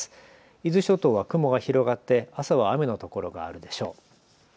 伊豆諸島は雲が広がって朝は雨の所があるでしょう。